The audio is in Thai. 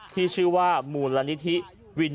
ที่ชื่อว่ามูลละนิทิ